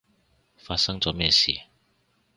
發生咗咩事？